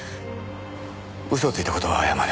嘘をついた事は謝る。